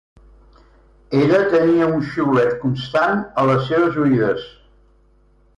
Ella tenia un xiulet constant a les seves oïdes.